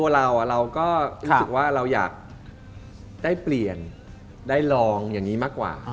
เราก็รู้สึกว่าเราอยากได้เปลี่ยนได้ลองอย่างนี้มากกว่า